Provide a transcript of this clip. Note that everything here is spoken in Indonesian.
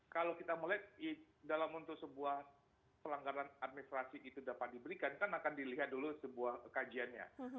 kalau kita melihat dalam untuk sebuah pelanggaran administrasi itu dapat diberikan kan akan dilihat dulu sebuah kajiannya